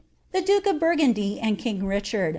The dnke of Burgundy* and king Richar' !